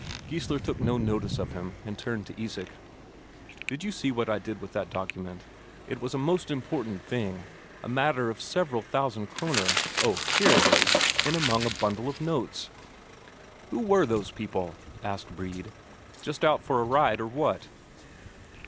Geissler took no notice of him, and turned to Isak: "Did you see what I did with that document? It was a most important thing a matter of several thousand Kroner. Oh, here it is, in among a bundle of notes." "Who were those people?" asked Brede. "Just out for a ride, or what?"